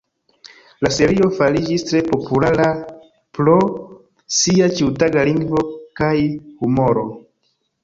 La serio fariĝis tre populara pro sia ĉiutaga lingvo kaj humoro.